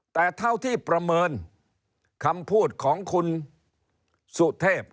แต่เท่าที่ประเมินคำพูดของคุณสุเทพ